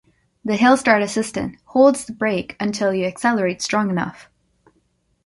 The hill start assistance holds the brake until you accelerate strong enough.